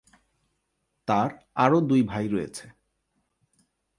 তার আরও দুই ভাই রয়েছে।